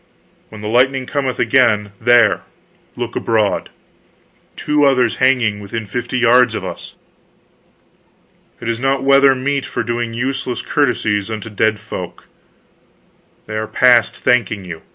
When the lightning cometh again there, look abroad." Two others hanging, within fifty yards of us! "It is not weather meet for doing useless courtesies unto dead folk. They are past thanking you.